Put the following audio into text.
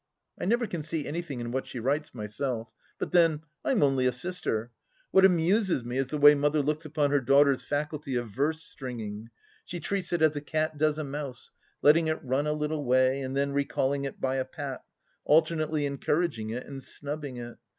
I never can see anything in what she writes, myself; but then, I am only a sister. What amuses me is the way Mother looks upon her daughter's faculty of verse stringing : she treats it as a cat does a mouse, letting it run a little way and then recalling it by a pat, alternately encouraging it and snubbing it.